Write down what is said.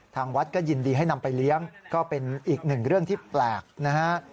ทางวัดก็ยินดีให้นำไปเลี้ยงก็เป็นอีกหนึ่งเรื่องที่แปลกนะฮะ